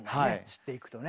知っていくとね。